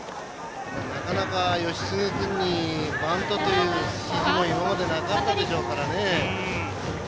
なかなか吉次君にバントという指示も今までなかったでしょうからね。